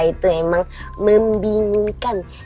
cinta itu memang membingungkan